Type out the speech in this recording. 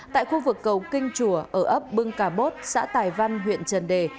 tại khu vực cầu kinh chùa ở ấp bưng cà bốt xã tài văn huyện trần đề